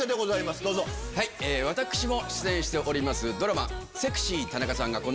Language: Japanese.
私も出演しております。